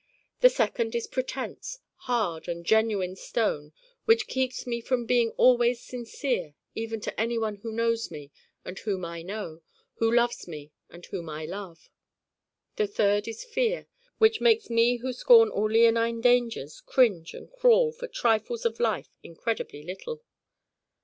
the second is Pretense, hard and genuine stone, which keeps me from being all ways sincere even to anyone who knows me and whom I know: who loves me and whom I love. the third is Fear which makes me who scorn all leonine dangers cringe and crawl for Trifles of life incredibly little.